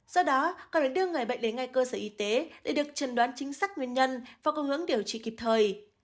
do đó cần đưa người bệnh đến ngay cơ sở y tế để được chân đoán chính xác nguyên nhân và cung hướng điều trị kịp thời